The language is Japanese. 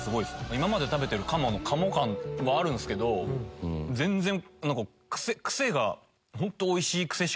今まで食べてる鴨の鴨感はあるんですけど全然癖が。